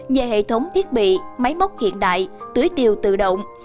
nhờ hệ thống thiết bị máy móc hiện đại tưới tiêu tự động